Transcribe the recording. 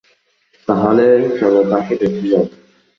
তাহলে চল তাকে দেখতে যাই।